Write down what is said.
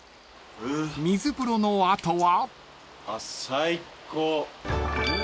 ［水風呂の後は］